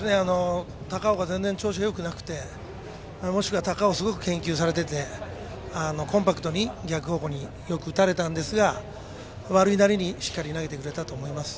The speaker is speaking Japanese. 高尾の調子が全然よくなくてもしくは高尾をよく研究されていてコンパクトに逆方向によく打たれたんですが悪いなりにしっかり投げてくれたと思います。